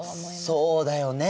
そうだよね。